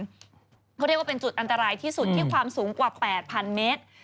เขาเรียกว่าเป็นจุดอันตรายที่สุดที่ความสูงกว่า๘๐๐เมตร